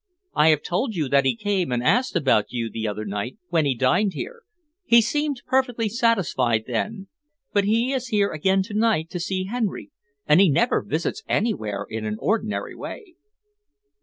"I have told you that he came and asked about you the other night, when he dined here. He seemed perfectly satisfied then, but he is here again to night to see Henry, and he never visits anywhere in an ordinary way."